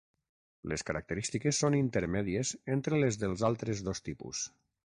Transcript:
Les característiques són intermèdies entre les dels altres dos tipus.